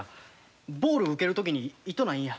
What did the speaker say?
ボール受ける時に痛ないんや。